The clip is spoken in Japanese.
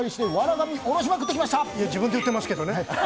神、自分で言ってますけどね。笑